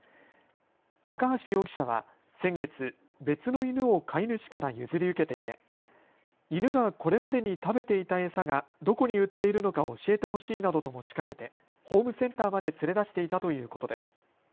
高橋容疑者は先月、別の犬を飼い主から譲り受けていて犬がこれまでに食べていた餌がどこに売っているのか教えてほしいなどと持ちかけてホームセンターまで連れ出していたということです。